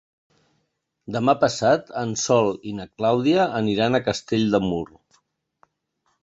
Demà passat en Sol i na Clàudia aniran a Castell de Mur.